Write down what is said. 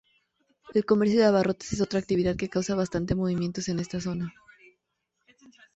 El comercio de abarrotes es otra actividad que causa bastante movimientos en esta zona.